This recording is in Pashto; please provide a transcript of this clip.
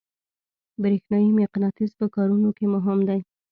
برېښنایي مقناطیس په کارونو کې مهم دی.